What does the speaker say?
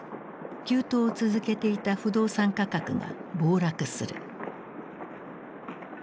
急騰を続けていた不動産価格が暴落する。